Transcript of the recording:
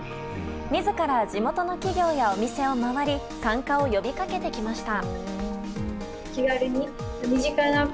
自ら地元の企業やお店を回り参加を呼び掛けてきました。